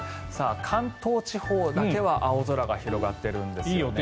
関東地方だけは青空が広がっているんですね。